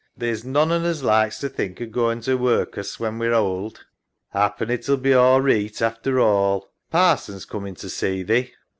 Theer's none on us likes to think o' going to workus when we're ould. EMMA. 'Appen it'll be all reeght after all. Parson's coomin' to see thee.